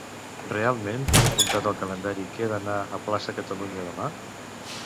Realment tinc apuntat al calendari que he d'anar a Plaça Catalunya demà?